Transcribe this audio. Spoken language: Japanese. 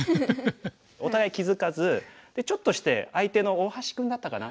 お互い気付かずでちょっとして相手の大橋君だったかな。